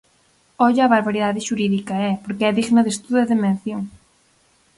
Ollo á barbaridade xurídica, eh, porque é digna de estudo e de mención.